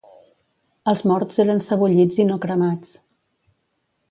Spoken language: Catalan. Els morts eren sebollits i no cremats.